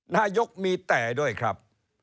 นายกมีแต่ด้วยครับ